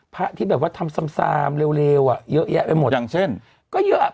พระที่แบบว่าทำซามซามเร็วอ่ะเยอะแยะไปหมดอย่างเช่นก็เยอะอ่ะ